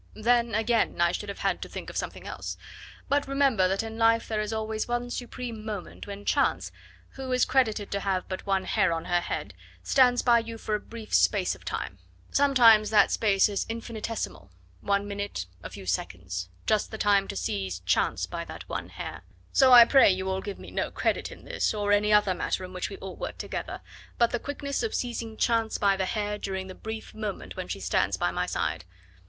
"Then, again, I should have had to think of something else; but remember that in life there is always one supreme moment when Chance who is credited to have but one hair on her head stands by you for a brief space of time; sometimes that space is infinitesimal one minute, a few seconds just the time to seize Chance by that one hair. So I pray you all give me no credit in this or any other matter in which we all work together, but the quickness of seizing Chance by the hair during the brief moment when she stands by my side.